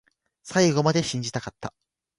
最後まで信じたかった